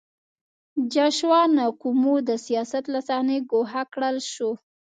جاشوا نکومو د سیاست له صحنې ګوښه کړل شو.